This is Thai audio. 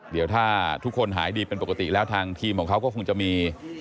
เดี๋ยวถ้าทุกคนหายดีเป็นปกติแล้วทางทีมของเขาก็คงจะมี